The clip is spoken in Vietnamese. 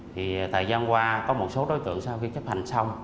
thì thời gian qua có một số đối tượng sau khi chấp hành xong